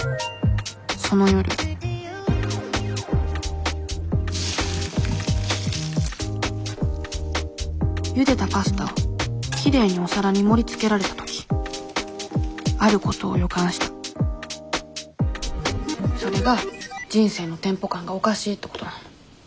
その夜ゆでたパスタをきれいにお皿に盛りつけられた時あることを予感したそれが人生のテンポ感がおかしいってことなの。